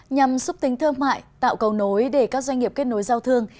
nhằm xúc tính thương mại tạo cầu nối để các doanh nghiệp kết nối giao thương